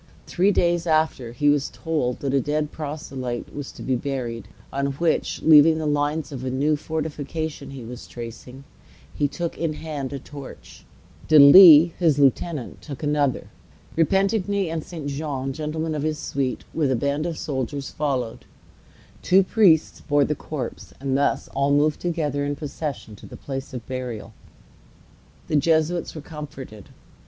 Three days after, he was told that a dead proselyte was to be buried; on which, leaving the lines of the new fortification he was tracing, he took in hand a torch, De Lisle, his lieutenant, took another, Repentigny and St. Jean, gentlemen of his suite, with a band of soldiers followed, two priests bore the corpse, and thus all moved together in procession to the place of burial. The Jesuits were comforted.